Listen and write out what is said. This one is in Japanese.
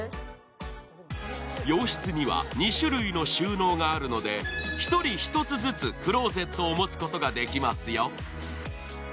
洋室には２種類の収納があるので１人１つずつクローゼットを持つことができますよ。